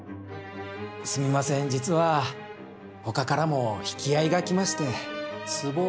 すみません実はほかからも引き合いが来まして。